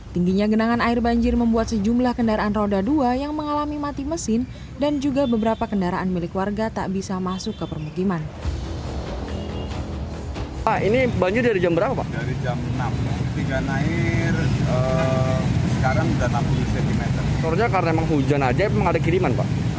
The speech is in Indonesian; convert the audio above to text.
tingginya genangan air banjir membuat sejumlah kendaraan roda dua yang mengalami mati mesin dan juga beberapa kendaraan milik warga tak bisa masuk ke permukiman